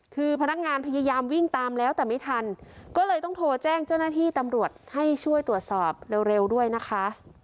คือพนักงานพยายามวิ่งตามแล้วแต่ไม่ทันก็เลยต้องโทรแจ้งเจ้าหน้าที่ตำรวจให้ช่วยตรวจสอบเร็วด้วยนะคะ